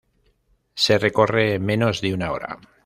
Se recorre en menos de una hora.